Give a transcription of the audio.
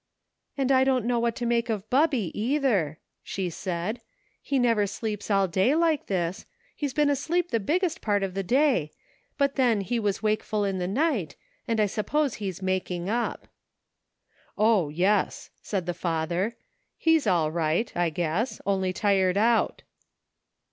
"And I don't know what to make of Bubby^ 112 NIGHT WORK. either," she said ;" he never sleeps all day like this; he's been asleep the biggest part of the day, but then he was wakeful in the night, and I suppose he's making up." "O, yes!" said the father; "he's all right, I guess, only tired out."